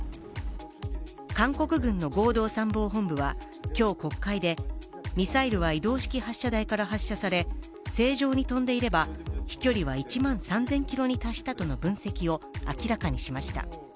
韓国軍の合同参謀本部は、今日国会でミサイルは移動式発射台から発射され正常に飛んでいれば飛距離は１万３０００ｋｍに達したとの分析を明らかにしました。